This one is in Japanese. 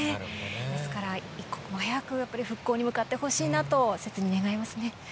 ですから、一刻も早くやっぱり復興に向かってほしいなと、切に願いますね。